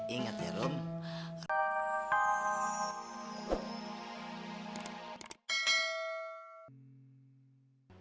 ingat ya rom